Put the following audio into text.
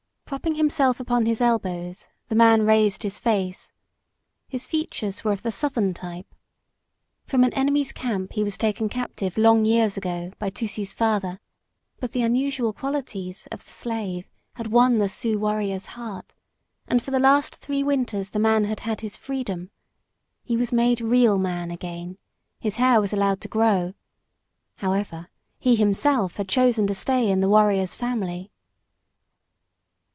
Propping himself upon his elbows, the man raised his face. His features were of the Southern type. From an enemy's camp he was taken captive long years ago by Tusee's father. But the unusual qualities of the slave had won the Sioux warrior's heart, and for the last three winters the man had had his freedom. He was made real man again. His hair was allowed to grow. However, he himself had chosen to stay in the warrior's family.